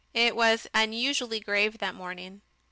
It was unusually grave that morning.